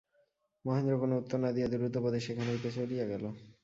মহেন্দ্র কোনো উত্তর না দিয়া দ্রুতপদে সেখান হইতে চলিয়া গেল।